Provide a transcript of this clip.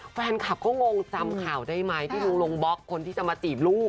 แฟนคลับก็งงจำข่าวได้ไหมที่ลุงลงบล็อกคนที่จะมาจีบลูก